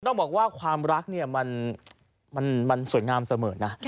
ต้องบอกว่าความรักเนี่ยมันสวยงามเสมอนะ